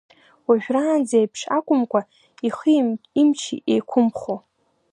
Уажәраанӡеиԥш акәымкәа, ихи имчи еиқәымхо.